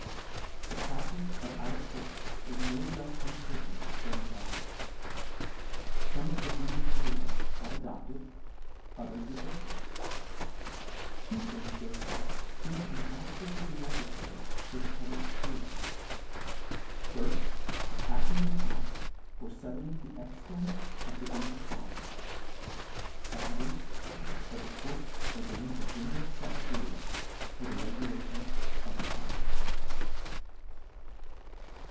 The prac tice of our courts is no lefs uncertain than the law. Some of the English rules are a dopted, others rejected. Two things there fore feem to be absolutely necelTary for the public fecurity. Firft the palling an act for fettling the extent of the English laws. Se condly, that the courts ordain a general fet of rules for the regulation of the practice."